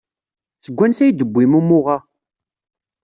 Seg wansi ay d-tewwim umuɣ-a?